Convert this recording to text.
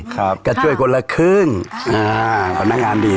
ก็ช่วยคนละครึ่งพนักงานดี